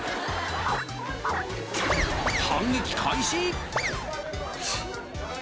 反撃開始。